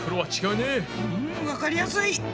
うんわかりやすい！